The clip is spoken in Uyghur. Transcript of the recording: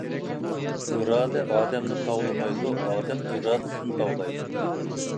ئىرادە ئادەمنى تاۋلىمايدۇ، ئادەم ئىرادىسىنى تاۋلايدۇ!